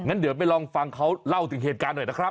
เดี๋ยวไปลองฟังเขาเล่าถึงเหตุการณ์หน่อยนะครับ